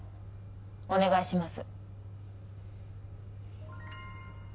お願いします